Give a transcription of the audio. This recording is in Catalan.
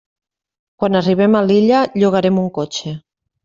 Quan arribem a l'illa, llogarem un cotxe.